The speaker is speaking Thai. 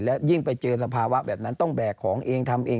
แล้วความเหนื่อยระเนี่ยมันจะมากกว่าเดินปกติตั้งเท่าไหร่ต่อเท่าไหร่